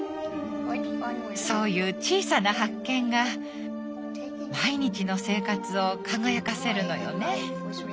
そういう小さな発見が毎日の生活を輝かせるのよね。